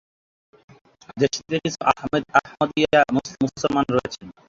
দেশটিতে কিছু আহমদীয়া মুসলমান রয়েছেন।